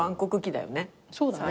そうだね。